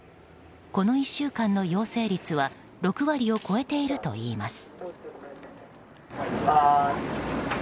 この１週間の陽性率は６割を超えているといいます。